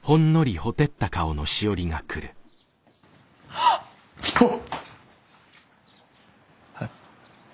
はっ！はっ！